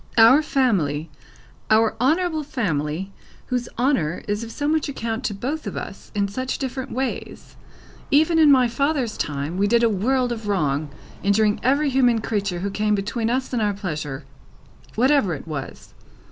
"Our family; our honourable family, whose honour is of so much account to both of us, in such different ways. Even in my father's time, we did a world of wrong, injuring every human creature who came between us and our pleasure, whatever it was.